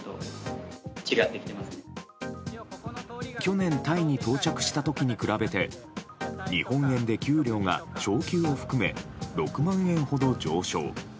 去年タイに到着した時に比べて日本円で、給料が昇給を含め６万円ほど上昇。